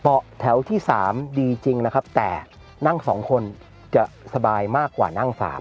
แถวที่๓ดีจริงนะครับแต่นั่ง๒คนจะสบายมากกว่านั่ง๓